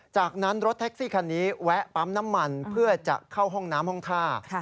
จากนั้นรถแท็กซี่คันนี้แวะปั๊มน้ำมันเพื่อจะเข้าห้องน้ำห้องท่า